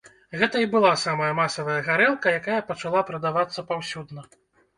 Гэта і была самая масавая гарэлка, якая пачала прадавацца паўсюдна.